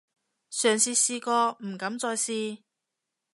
上次試過，唔敢再試